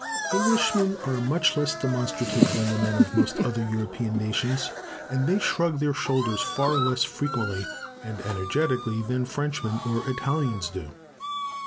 Englishmen are much less demonstrative than the men of most other European nations, and they shrug their shoulders far less frequently and energetically than Frenchmen or Italians do.